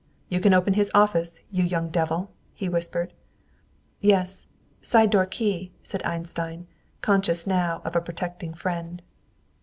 "You can open his office, you young devil?" he whispered. "Yes; side door key," said Einstein, conscious now of a protecting friend.